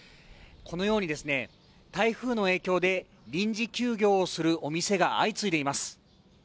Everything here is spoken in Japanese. このように台風の影響で臨時休業をするお店が相次いでいます。